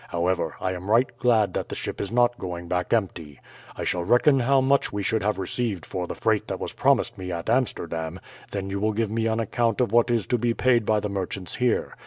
However, I am right glad that the ship is not going back empty. I shall reckon how much we should have received for the freight that was promised me at Amsterdam, then you will give me an account of what is to be paid by the merchants here.